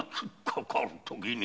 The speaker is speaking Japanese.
かかる時に。